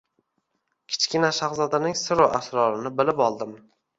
Kichkina shahzodaning sir-u asrorini bilib oldim.